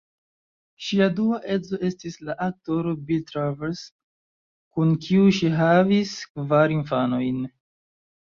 Ŝia dua edzo estis la aktoro Bill Travers, kun kiu ŝi havis kvar infanojn.